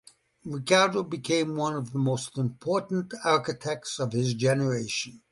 Ricardo became one of the most important architects of his generation.